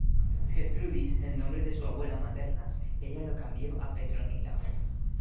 Gertrudis, el nombre de su abuela materna, ella lo cambió a Petronila.